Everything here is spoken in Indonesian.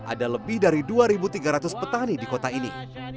ada lebih dari dua tiga ratus petani di kota ini